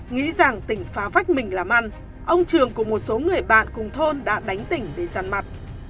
nghĩ rằng tỉnh phá vá vách mình làm ăn ông trường cùng một số người bạn cùng thôn đã đánh tỉnh để giàn mặt